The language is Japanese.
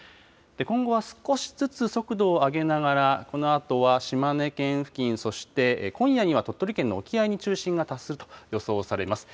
今後は少しずつ速度を上げながら、このあとは島根県付近、そして今夜には鳥取県の沖合に中心が達すると予想されます。